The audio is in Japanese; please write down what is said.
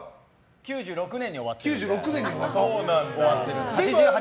９６年に終わってるので。